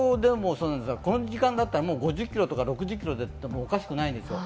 この時間だったら５０キロ、６０キロ出てもおかしくないんですよ。